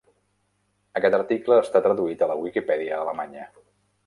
"Aquest article està traduït de la Wikipedia alemanya"